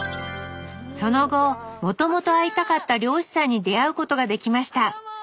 その後もともと会いたかった漁師さんに出会うことができました。